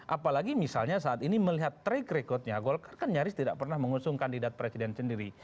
apalagi misalnya saat ini melihat track recordnya golkar kan nyaris tidak pernah mengusung kandidat presiden sendiri